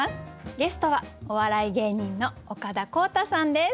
ゲストはお笑い芸人の岡田康太さんです。